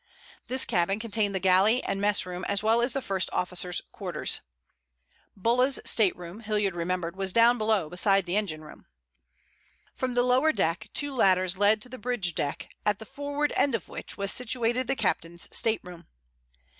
This cabin contained the galley and mess room as well as the first officer's quarters. Bulla's stateroom, Hilliard remembered, was down below beside the engine room. From the lower deck two ladders led to the bridge deck at the forward end of which was situated the captain's stateroom.